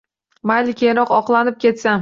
Mayli, keyinroq, oqlanib ketsam yoki…